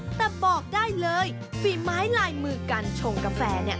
แต่บอกได้เลยฝีไม้ลายมือการชงกาแฟ